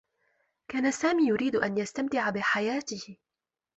كان سامي يريد أن يستمتع بحياته.